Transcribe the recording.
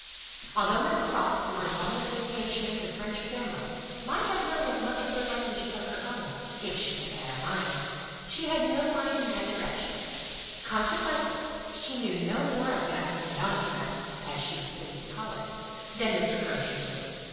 Although Miss Pross, through her long association with a French family, might have known as much of their language as of her own, if she had had a mind, she had no mind in that direction; consequently she knew no more of that "nonsense" (as she was pleased to call it) than Mr. Cruncher did.